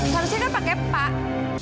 harusnya kan pakai pak